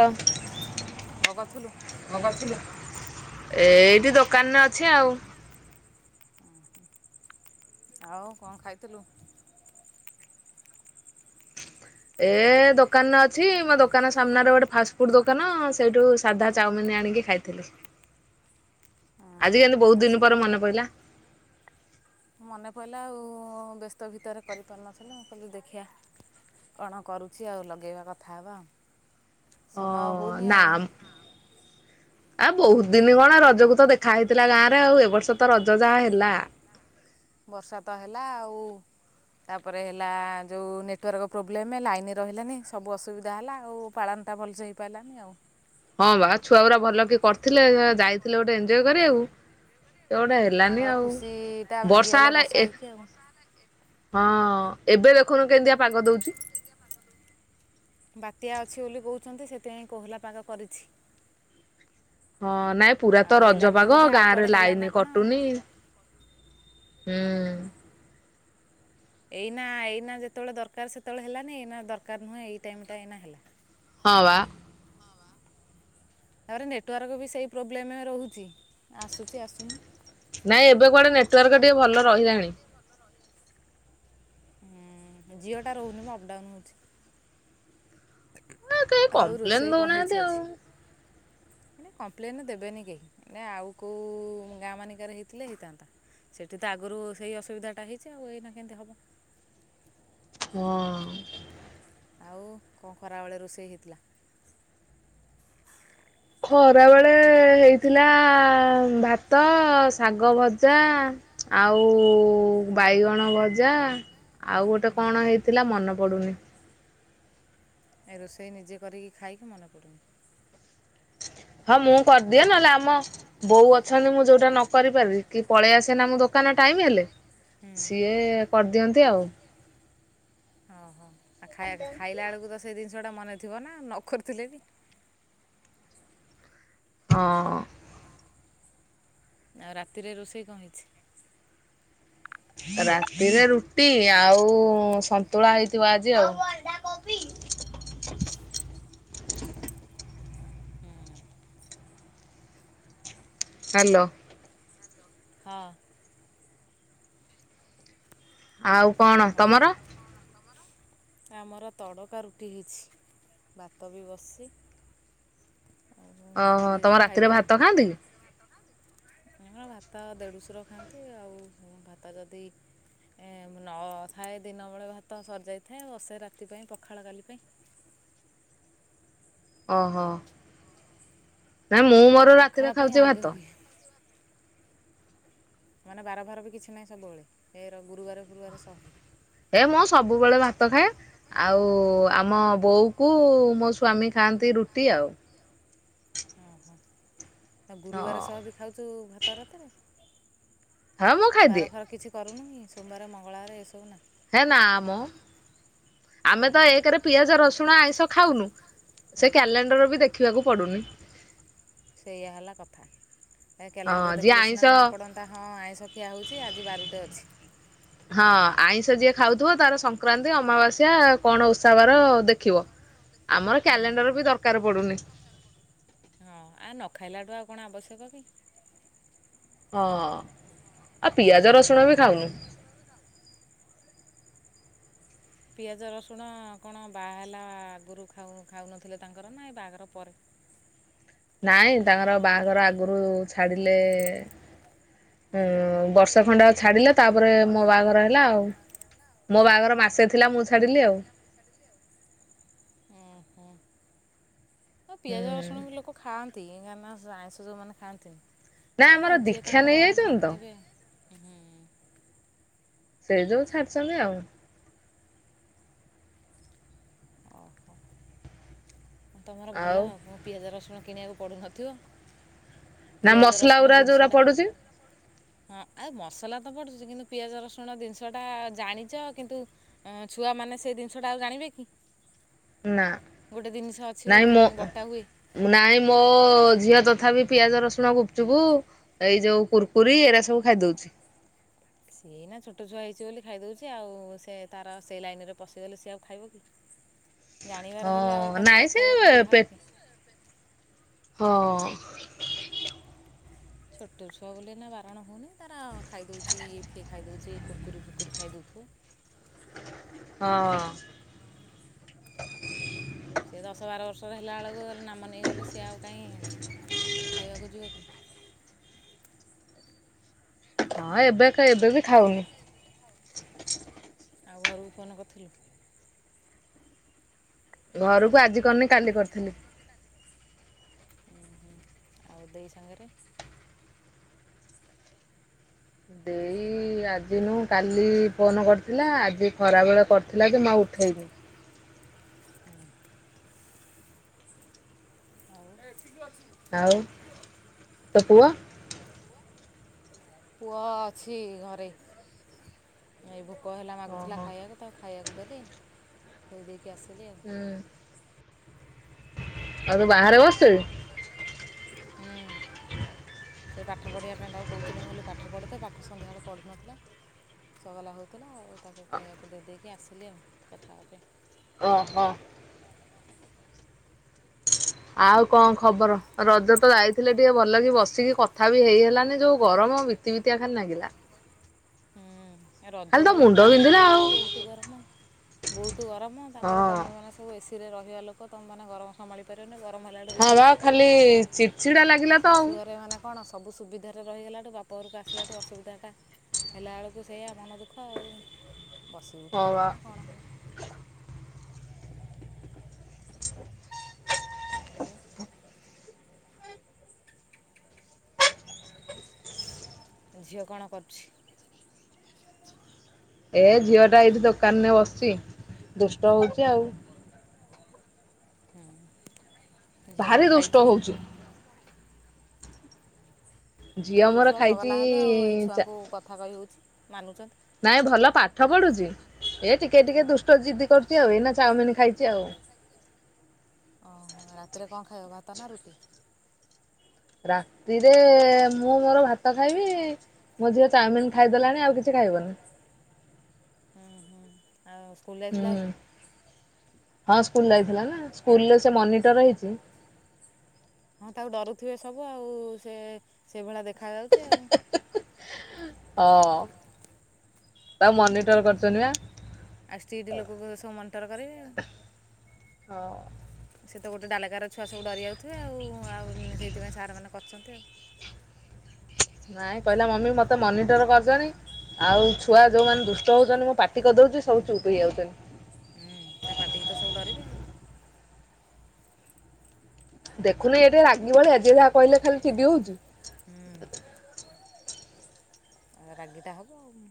ତ [unintelligible] ଥିଲା ଏଇଠି ଦୋକାନରେ ଅଛି ଆଉ। ଆଉ କଣ ଖାଇଥିଲୁ? ଏ ଦୋକାନରେ ଅଛି ମୋ ଦୋକାନ ସାମ୍ନାରେ ଗୋଟେ ଫାଷ୍ଟ ଫୁଡ ଦୋକାନ ସେଇଠୁ ସାଧା ଚାଉମିନ ଆଣିକି ଖାଇଥିଲି [inaudible] ଆଜି କେନ୍ତି ବହୁତ ଦିନ ପରେ ମନେ ପଇଲା? ମନେ ପଇଲା ଆଉ ବ୍ୟସ୍ତ ଭିତରେ କରିପାରିନଥିଲି ମୁଁ କହିଲି ଦେଖିଆ। କଣ କରୁଛି ଆଉ ଲଗେଇବା କଥା ହେବା ଆଉ। ସମୟ ହଉନି ଆଉ। ଆ ବହୁତ ଦିନ କଣ ରଜକୁ ତ ଦେଖା ହେଇଥିଲା ଗାଁ ରେ ଆଉ ଏ ବର୍ଷ ତ ରଜ ଯାହା ହେଲା। ବର୍ଷା ତ ହେଲା ଆଉ ତାପରେ ହେଲା ଯୋଉ ନେଟୱାର୍କ ପ୍ରୋବ୍ଲେମ ଲାଇନ ରହିଲାନି ସବୁ ଅସୁବିଧା ହେଲା ଆଉ ପାଳନ ଟା ଭଲସ ହେଇ ପାଇଲାନି ଆଉ ହଁ ବା ଛୁଆ ଗୁରା ଭଲକି କରିଥିଲେ ଯାଇଥିଲେ ଗୋଟେ ଏଞ୍ଜୟ କରିଆକୁ ଏଗୁଟା ହେଲାନି ଆଉ ବର୍ଷା ହେଲା ଏ ହଁ। ଏବେ ଦେଖନୁ କେମିତିଆ ପାଗ ଦଉଛି? ଛନ୍ତି ସେଥିପାଇଁ କୋହଲା ପାଗ କରିଛି। ହଁ ନାଇଁ ପୁରା ତ ରଜ ପାଗ ଗାଁ ରେ ଲାଇନ କଟୁନି। ହୁଁ। ଏଇନା ଏଇନା ଯେତେବେଳେ ଦରକାର ସେତେବେଳେ ହେଲାନି ଏଇନା ଦରକାର ନାହିଁ ଏଇ ଟାଇମ୍ ଟା ଏଇନା ହେଲା। ହଁ ବା। ହଁ ବା। ତାପରେ ନେଟୱାର୍କ ବି ସେଇ ପ୍ରୋବ୍ଲେମ ରହୁଛି ଆସୁଛି ଆସୁନି ନାଇଁ ଏବେ କୁଆଡ଼େ ନେଟୱାର୍କ ଟିକେ ଭଲ ରହିଲାଣି। ହୁଁ ଜିଓଟା ରହୁନି ମ ଅପଡାଉନ ହଉଛି। ନା କେଇ କମ୍ପ୍ଲେନ ଦଉନାହାନ୍ତି ଆଉ। ଏଇନେ କମ୍ପ୍ଲେନ ଦେବେନି କେହି ଏଇନେ ଆଉ କୋଉ ଗାଁ ମାନଙ୍କରେ ହେଇଥିଲେ ହେଇଥାନ୍ତା। ସେଠି ତ ଆଗରୁ ସେଇ ଅସୁବିଧା ଟା ହେଇଛି ଆଉ ଏଇନା କେମତି ହବ। ହଁ। ଆଉ କଣ ଖରାବେଳେ ରୋଷେଇ ହେଇଥିଲା? ଖରାବେଳେ ହେଇଥିଲା ଭାତ, ଶାଗ ଭଜା ଆ ଆଉ ବାଇଗଣ ଭଜା, ଆଉ ଗୋଟେ କଣ ହେଇଥିଲା ମନେ ପଡ଼ୁନି, ଏ ରୋଷେଇ ନିଜେ କରିକି ଖାଇକି ମନେ ପଡ଼ୁନି। ହଁ ମୁଁ କରିଦିଏ ନହେଲେ ଆମ ବୋଉ ଅଛନ୍ତି ମୁଁ ଯୋଉଟା ନ କରି ପାରିବି କି ପଳେଇ ଆସେ ନା ମୁଁ ଦୋକାନ ନା ଟାଇମି ହେଲେ ସିଏ କରିଦିଅନ୍ତି ଆଉ ଅ ହଁ ଆ ଖାଇ ଖାଇଲା ବେଳକୁ ତ ସେ ଦିନିଷ [unintelligible] ଟା ମନେ ଥିବ ନା ନ କରିଥିଲେ ବି। ହଁ। ଆଉ ରାତିରେ ରୋଷେଇ କଣ ହେଇଛି? ରାତିରେ ରୁଟି ଆଉ ସନ୍ତୁଳା ହେଇଥିବ ଆଜି ଆଉ କୋବି [unintelligible] ହୁଁ। ହ୍ୟାଲୋ। ହେଲୋ ହଁ। ଆଉ କଣ ତମର? ଆମର ତଡ଼କା ରୁଟି ହେଇଛି ଭାତ ବି ବସି ଓହୋ ତମ ରାତିରେ ଭାତ ଖାଆନ୍ତି କି? ଆମର ଭାତ ଦେଢଶୁର ଖାଆନ୍ତି ଆଉ ଭାତ ଯଦି ଏ ନ ଥାଏ ଦିନ ବେଳେ ଭାତ ସରିଯାଇଥାଏ ବସେ ରାତି ପାଇଁ ପଖାଳ କାଲି ପାଇଁ। ଓହୋ ନା ମୁଁ ମୋର ରାତିରେ ଖାଉଛି ଭାତ। ମାନେ ବାରଭାର ବି କିଛି ନାହିଁ ସବୁବେଳେ ଏଇର ଗୁରୁବାର ଫୁରୁବାର ସବୁ ହେ ମୁଁ ସବୁବେଳେ ଭାତ ଖାଏ ଆଉ ଆମ ବୋଉ କୁ ମୋ ସ୍ଵାମୀ ଖାଆନ୍ତି ରୁଟି ଆଉ ହଁ ହଁ ତା ଗୁରୁବାର ସହ ବି ଖାଉଛୁ ଭାତ ରାତିରେ? ହଁ ମୁଁ ଖାଇଦିଏ। ବାରୁନୁକି ସୋମବାର ମଙ୍ଗଳବାର ଏସବୁ ନା ହେ ନା ମ ଆମେ ତ ଏକରେ ପିଆଜ ରସୁଣ ଆଇଁଷ ଖାଉନୁ ସେ କ୍ୟାଲେଣ୍ଡର ବି ଦେଖିବାକୁ ପଡ଼ୁନି ସେଇଆା ହେଲା କଥା। ଏ କ୍ୟାଲେଣ୍ଡର ଦେଖିଲେ ସିନା ଜଣାପଡ଼ନ୍ତା ହଁ ଆଇଁଷ ଖିଆ ହେଉଛି ଆଜି ବାରୁଟେ ଅଛି। ହଁ। ଆଇଁଷ ଯିଏ ଖାଉଥିବ ତାର ସଂକ୍ରାନ୍ତି ଅମାବାସ୍ୟା କଣ ଓସାବାର ଦେଖିବ। ଆମର କ୍ୟାଲେଣ୍ଡର ବି ଦରକାର ପଡ଼ୁନି। ଖାଇଲାଠୁ ଆଉ କଣ ଆବଶ୍ୟକ କି? ହଁ ଆ ପିଆଜ ରସୁଣ ବି ଖାଉନୁ। ପିଆଜ ରସୁଣ କଣ ବାହା ହେଲା ଆଗରୁାଉ ଖାଉ ଖାଉନଥିଲେ ତାଙ୍କର ନାଇ ବାହାଘର ପରେ? [unintelligible] ନାଇଁ ତାଙ୍କର ବାହାଘର ଆଗରୁ ଛାଡିଲେ ହଁ ବର୍ଷା ଖଣ୍ଡା ଛାଡିଲେ ତାପରେ ମୋ ବାହାଘର ହେଲା ଆଉ ମୋ ବାହାଘର ମାସେ ଥିଲା ମୁଁ ଛାଡିଲି ଆଉ ହ ଆଉ ପିଆଜ ରସୁଣ ବି ଲୋକ ଖାଆନ୍ତି କାହିଁକି ନା ଆଇଁଷ ଯୋଉମାନୋନେ ଖାଆନ୍ତିନି। ନାଇ ଆମର ଦୀକ୍ଷା ନେଇ ଯାଇଛନ୍ତି ତ। ସେଇ ଯୋଉ ଛାଡିଛନ୍ତିଛନ୍ତି ଆଉ। ତମର ଭଲ ଆ ପିଆଜ ରସୁଣ କିଣିବାକୁ ପଡୁନଥିବ। ନା ମସଲା ଉୁରା ଯୋଉା ପଡୁଛି। ହଁ ଆଉ ମସଲା ତ ପଡୁଛି କିନ୍ତୁ ପିଆଜ ରସୁଣ ଜିନିଷ ଟା ଜାଣିଛ କିନ୍ତୁ ଛୁଆ ମାନେ ସେଇ ଜିନିଷ ଟା ଆଉ ଜାଣିବେ କି? ନା। ତିନିଶହ ଅଛି ବୋଲି ବଟା ହୁଏ। ନାଇଁ ମୋ ଝିଅ ତଥାପି ପିଆଜ ରସୁଣ ଗୁପଚୁପ ଏଇ ଯୋଉ କୁୁରକୁରି ଏଇଟା ସବୁ ଖାଇଦଉଛି। ସିଏ ନା ଛୋଟ ଛୁଆ ହେଇଛି ବୋଲି ଖାଇଦଉଛି ଆଉ ସେ ତାର ସେଇ ଲାଇନ ରେ ପଶିଗଲେ ସିଏ ଆଉ ଖାଇବ କି? ଜାଣିବାର ହେଲେ ଆଉ ତାକୁ ଆଉ ଖାଇବାକୁ ଦିଆହବ କି? ହଁ। ଛୋଟ ଛୁଆ ବୋ ନା ବାରଣ ହଉନି ତାରା ଖାଇଦଉଛି ଇଫିଏ ଖାଇଦଉଛି କୁର୍କୁରି ଫୁରି ଖାଇଦଉଛି। ହଁ। ସେ ଦଶ ବାର ବର୍ଷର ହେଲା ବେଳକୁ ଗଲେ ନାମ ନେଇଗଲେ ସିଏ ଆଉ କାହିଁ ଖାଇବାକୁ ଯିବ କି? ହଁ ଏବେ ଖ ଏବେ ବି ଖାଉନି। ଆଉ ଘରକୁ ଫୋନ କରିଥିଲୁ। ଘରକୁ ଆଜି କରିନି କାଲି କରିଥିଲି। ହୁଁ ହୁଁ ଆଉ ଦେଇ ସାଙ୍ଗରେ। ଦେଇ। ଆଜିିନୁ କାଲି ଫୋନ କରିଥିଲା ଆଜି ଖରା ବଳେ କରିଥିଲା ଯେ ମୁଁ ଆଉ ଉଠେଇନି। ହୁଁ। ଆଉ। ଆଉ ତୋ ପୁଅ। ପୁଅ ଅଛି ଘରେ ଏଇ ଭୋ। ଭୋକ ହେଲା ମାଗୁଥିଲା ଖାଇବାକୁ ତାକୁ ଖାଇବାକୁ ଦେଲି ଖୋଇ ଦେଇକି ଆସିଲି ଆଉ। ଆଉ ତୁ ବାହାରେ ବସିଚୁ। ହୁଁ। ହ ସେଇ ପାଠ ପଢ଼ିବା ପାଇଁ ତାକୁ କଉଥିଲି ମୁଁ କଇଲି ପାଠ ପଢ଼ି ଦେ ପାଠ ସନ୍ଧ୍ୟାବେଳେ ପଢିନଥିଲା। ଚଗଲା ହଉଥିଲା ଆଉ ତାକୁ ଖାଇଆକୁ ଦେଇ ଦେଇକି ଆସିଲି ଆଉ କଥା ହବା ପାଇଁ। ଓ ହୋ। ଆଉ କଣ ଖବର। ରଜ ରେ ତ ଯାଇଥିଲେ ଟିକେ ଭଲ କିି ବସିକି କଥା ବି ହେଇ ହେଲାନି ଯୋଉ ଗରମ ବିତି ବିତିଆ ଖାଲି ଲାଗିଲା। ହୁଁ। ରଜ ବେଳକୁ ବହୁତ ଖରା ବହୁତ ଗରମ ବହୁତ ଗରମ ତାପରେ ତମେ ମାନେ ସବୁ ଏସି। ଏସି ରେ ରହିବା ଲୋକ ତମେ ମାନେ ଗରମ ସମ୍ଭାଳି ପାରିବନି ଗରମ ହେଲା ବେଳକୁ ବିତିି ବିତା। ଏ ଚିଡ ଚିଡା ଲାଗିଲା ତ ଆଉ। ସବୁ ସୁବିଧାରେ ରହିଗଲାଠୁ ବାପ ଘରକୁ ଆସିଲାଠୁ ଅସୁବିଧାଟା। ହେଲା ବେଳକୁ ସେଇଆ ମନ ଦୁଃଖ ଆଉ। ବସି ଉଠି ହବ ନା କଣ ହବ। ଆ ହୁ। ଝିଅ କଣ କରୁଛି। ଏ ଝିଅ ଟା ଏଇଠି ଦୋକାନରେ ବସିଛି ଦୁଷ୍ଟ ହଉଛି ଆଉ। ହୁଁ। ଭାରି ଦୁଷ୍ଟ ହଉଚି। ଛୋଟୁ ଛୁଆ ଚଗଲା ହେବେ ଆଉ ଏଇ ଛୁଆଙ୍କୁ କଥା କହି ହଉଛି। ନାଇଁ ଭଲ ପାଠ ପଢୁଛି। ଏ ଟିକେ ଟିକେ ଦୁଷ୍ଟ ଜିଦ୍ଦି କରୁଛି ଆଉ ଏଇନା ଚାଉମିିନ ଖାଇଛି ଆଉ। ଓହୋ ରାତିରେ କଣ ଖାଇବ ଭାତ ନା ରୁଟି। ରାତିରେ ମୁଁ ମୋର ଭାତ ଖାଇବି। ମୋ ଝିଅ ଚାଉମିିନ ଖାଇଦେଲାଣି ଆଉ କିଛି ଖାଇବନି। ହୁଁ ହୁଁ ଆଉ ସ୍କୁଲ ଯାଇଥିଲା ଆଜି। ହଁ ସ୍କୁଲ ଯାଇଥିଲା ନା ସ୍କୁଲ ରେ ସେ ମନିଟର ହେଇଛି। ଥିବେ ସବୁ ଆଉ ସେ ସେ ଭଳି ଦେଖ। ଖା ଯାଉଛି ଆଉ। ତାକୁ ମନିଟର କରିଚନ୍ତି ବା। ହଉ। ସେ ତ ଗୋଟେ ଡାଲକାର ଛୁଆ ସବୁ ଡରି ଯାଉଥିବେ ଆଉ ଆଉ ସେଇଥିପାଇଁ ସାର୍ ମାନେ କରିଛନ୍ତି ଆଉ। ହ ନାଇଁ କହିଲା ମମି ମତେ ମନିଟର କରିଚନି। ଆଉ ଛୁଆ ଯୋଉମାନେ ଦୁଷ୍ଟ ହଉଛନ୍ତି ମୁଁ ପାଟି କରିଦଉଛି ସବୁ ଚୁପ ହେଇଯାଉଚନ୍ତି। ହୁଁ ତା ପାଟିିକି ତ ସବୁ ଡରିବେ ଆଉ। ଦେଖୁନ ଇଏ ଟିକେ ରାଗି ଭଳିଆ। ଯିଏ ଯାହା କହିଲେ ଖାଲି ଚିିଡ଼ି ହଉଛି। ରାଗିଟା ହବ ଆଉ।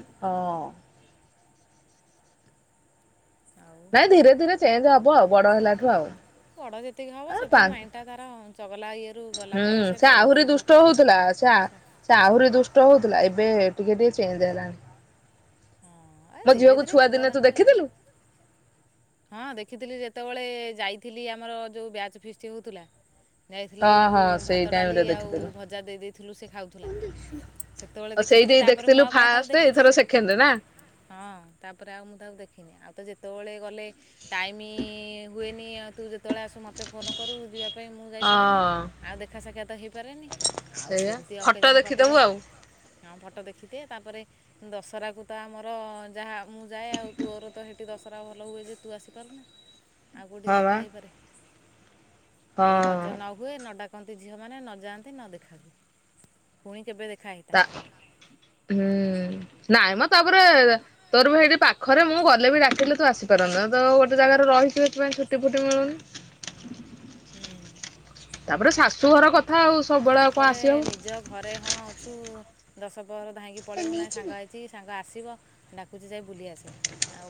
ହଁ। ନାଇଁ ଧୀରେ ଧୀରେ ଚେଞ୍ଜ ହବ ଆଉ ବଡ ହେଲାଠୁ ଆଉ। ବଡ ଯେତିକି ହବ ସେତିକି ମାଇଣ୍ଡ ଟା ତାର ଚଗଲା ଇଏ ରୁ ଗଲା ପରେ ସେ ଡାଇଭର୍ଟ ହେଇଗଲା ପରେ। ସେ ଆ ସେ ଆହୁରି ଦୁଷ୍ଟ ହଉଥିଲା ଏବେ ଟିକେ ଟିକେ ଚେଞ୍ଜ ହେଲାଣି। ମୋ ଝିଅକୁ ଛୁଆ ଦିନେ ତୁ ଦେଖିଦେଲୁ। ହଁ ଦେଖିଥିଲି ଯେତେବେଳେ ଯାଇଥିଲି ଆମର ଯୋଉ ବ୍ୟାଚ ଫିଷ୍ଟି ହଉଥିଲା। ଯାଇଥିଲି ଯୋଉ ଭାତ ଡାଲି ଆଉ ଭଜା ଦେଇ ଦେଇଥିଲୁ ସେ ଖାଉଥିଲା। ଆ ସେଇଠି ଦେଖିଥିଲୁ ଫାଷ୍ଟ ଏଇଥର ସେକେଣ୍ଡ ନା। ହଁ ତାପରେ ଆଉ ମୁଁ ତାକୁ ଦେଖିନି ଆଉ ତ ଯେ ଯେତେବେଳେ ଗଲେ ଟାଇମ ହୁଏନି ଆଉ ତୁ ଯେତେବେଳେ ଆସୁ ମ ମତେ ଫୋନ କରୁ ଯିବା ପାଇଁ ମୁଁ ଯାଇପାରେନି ଆଉ ଦେଖା ସାକ୍ଷାତ ହେଇପାରେନି ଆଉ ସେମିତି ଅପେ ଦେଖିଦବୁ ଆଉ। [unintelligible] ତ ଦେଖିଦିଏ ତାପରେ ଦଶରାକୁୁ ତ ଆମର ଯାହା ମୁଁ ଯାଏ ଆଉ ତୋର ତ ସେଠି ଦଶହରା ଭଲ ହୁଏ ଯେ ତୁ ଆସିପାରୁନା ଆଉ କୋଉଠି ଦେଖା ହେଇପାରେ। ଏଇ ରଜ ନ ହୁଏ ନଡାକନ୍ତି ଝିଅ ମାନେ ନଯାଆନ୍ତି ନ ଦେଖାନ୍ତି ପୁଣି କେବେ ଦେ ତା ହୁଁ। ନାଇଁ ମଁ ତାପରେ ତୋର ବି ସେଇଠି ପାଖରେ ମୁଁ ଗଲେ ବି ଡାକିଲେ ତୁ ଆସିପାରୁନୁ ତ ଗୋଟେ ଜାଗାରେ ରହିି ତୁ ସେଇଥି ପାଇଁ ଛୁଟି ଫୁଟି ମିଳୁନି। [inaudible] ତାପରେ ଶାଶୁ ଘର କ ତାପରେ ନିଜ ଘରେ ହଁ ଅଛୁ ଦଶ ବର ଧାଇଁକି ପଳେଇବ ନାଇଁ ସାଙ୍ଗ ଆଇଛି ସାଙ୍ଗ ଆସିବ ଡାକୁଛି ଯାଇ ବୁଲିବା ସେ ଆଉ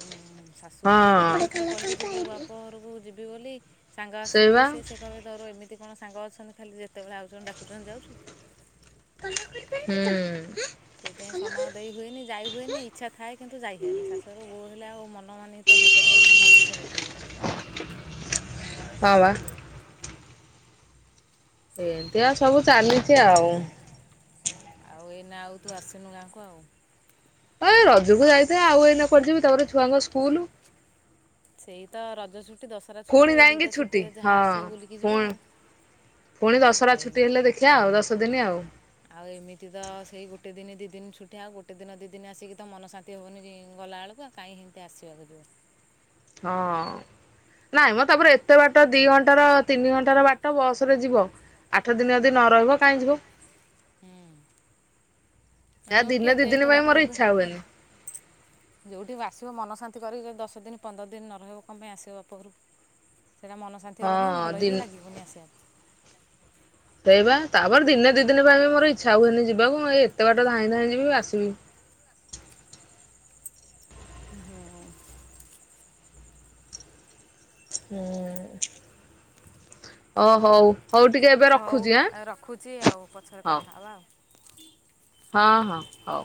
ଶାଶୁ ଘରୁ ତୁ କେତେ ଥର କହିକି ଯିବୁ ବାପ ଘରକୁ ଯିବି ବୋଲି। ସାଙ୍ଗ ଆସୁଚିକି ଇଏ ସେ ସେ କହିବେ ତୋର ଏମିତି କଣ ସାଙ୍ଗ ଅଛନ୍ତି ଖାଲି ଯେତେବେଳେ ଆଉଚ ଡାକୁଚନ୍ତି ଯାଉଚୁ। ହୁଁ। ସେଇଥିପାଇଁ ସମୟ ଦେଇ ହୁଏନି ଯାଇ ହୁଏନି ଇଚ୍ଛା ଥାଏ କିନ୍ତୁ ଯାଇ ହୁଏନି ଶାଶୁରୁ ବୋଉ ହେଲେ ଆଉ ମନ ମାନି ତ ହେଇ ପାରିବନି ନାଁ ମନ ଇଛା ଯାଇପାରିବନି। ଏମତିଆଉ ସବୁ ଚାଲିଛି ଆଉ। ଆଉ ଏଇନା ଆଉ ତୁ ଆସିନୁ ଗାଁକୁ ଆଉ। ଏ ଇ ରଜକୁ ଯାଇଥିଲି ଆଉ ଏଇନା କୁଆଡ଼େ ଯିବି ତାପରେ ଛୁଆଙ୍କ ସ୍କୁଲ। ସେଇ ତ ରଜ ଛୁଟି ଦଶହରା ଛୁଟି ଏଇ ଦିଟା ଛୁଟିରେ ଯାହା ଆସିବ ବୁଲିକି ଯିବ ଆଉ। ପୁଣି ଦଶହରା ଛୁଟି ହେଲେ ଦେଖିବା ଆଉ ଦଶ ଦିନି ଆଉ। ଆଉ ଏମିତି ତ ସେଇ ଗୋଟେ ଦିନ ଦି ଦିନ ଛୁଟି ଆଉ ଗୋଟେ ଦିନି ଦି ଦିନି ଆସିକି ତ ମନ ଶାନ୍ତି ହବନି। ଗଲା ବେଳକୁ ଆଉ କାଇହିଁ ଏମିତି ଆସିବାକୁ ଯିବୁ। ହଁ। ନାଇଁ ମଁ ତାପରେ ଏତେ ବାଟ ଦି ଘଣ୍ଟାର ତିନି ଘଣ୍ଟାର ବାଟ ବସ୍ ରେ ଯିବ। ଆଠ ଦିନ ଯଦି ନ ରହିବ କାଇଁ ଯିବ। ହୁଁ। ଆ ଦିନେ ଦିଦିନି ପାଇଁ ମୋରେଇଛା ହୁଏନି। ଯେଉଠି ଆସିବ ମନ ଶାନ୍ତି କରିକି ଦଶ ଦିନି ପନ୍ଦର ଦିନି ନ ରହିବ କଣ ପାଇଁ ଆସିବ ବାପଘରକୁ। ସେଇଟା ମନ ଶାନ୍ତି ହବନି କି ଭଲ ହି ଲାଗିବନି ଆସିବା ପାଇଁ। ସେଇପା ତାପରେ ଦିନେ ଦି ଦିନି ପାଇଁ ମୋର ଇଚ୍ଛା ହୁଏନି ଯିବାକୁ ମୁ ଏଇ ଏତେ ବାଟ ଧାଇଁ ଧାଇଁ ଯିବି ଆସିବି। ଯିବି ଆସିବି। ହୁଁ। ହଁ ଓ ହଉ। ହଉ ଆ ରଖୁଛି ଆଉ ପଛରେ କଥା ହେବା ଆଉ। ହଁ ହଁ ହଉ।